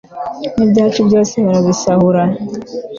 n'ibyacu byose barabisahura